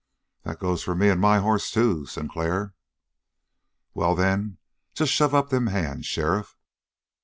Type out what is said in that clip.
"That goes for me and my hoss, too, Sinclair." "Well, then, just shove up them hands, sheriff!"